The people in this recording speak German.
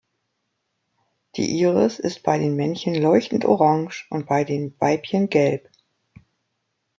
Die Iris ist bei den Männchen leuchtend orange und bei den Weibchen gelb.